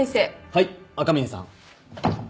はい赤嶺さん。